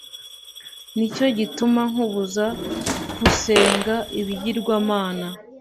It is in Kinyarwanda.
Ni cyo gituma nkubuza kusenga ibigirwamana